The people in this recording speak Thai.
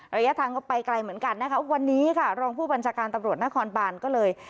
ระยะทางก็ไปไกลเหมือนกันนะคะวันนี้ค่ะรองผู้บัญชาการตำรวจนครบานก็เลย